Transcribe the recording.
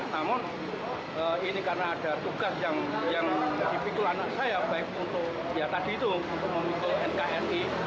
namun ini karena ada tugas yang dipikul anak saya baik untuk ya tadi itu untuk memikul nkri